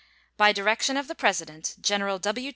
By direction of the President, General W.